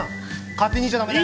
勝手に行っちゃダメだよ